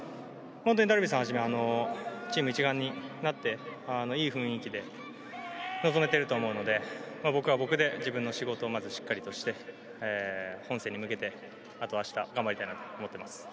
ダルビッシュさんをはじめチーム一丸となっていい雰囲気で臨めていると思うので僕は僕で自分の仕事をまずしっかりとして本戦に向けて、あとは明日頑張りたいなと思います。